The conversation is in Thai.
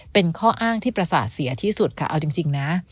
เป็นข้ออ้างที่ประสาทเสียที่สุดค่ะเอาจริงนะ